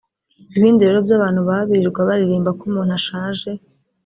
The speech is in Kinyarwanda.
Ibindi rero by’abantu baba birirwa baririmba ko umuntu ashaje